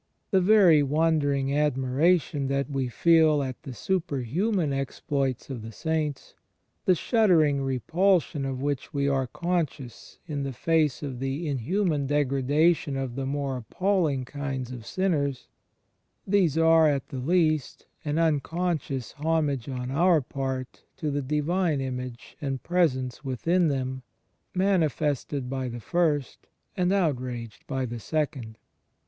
The very wondering admiration that we feel at the superhimian exploits of the saints; the shuddering repulsion of which we are conscious in face of the inhimian degradation of the more appalling kinds of sinners — these are, at the least, an unconscious homage on our part to the divine image and Presence within them, manifested by the first and outraged by the second.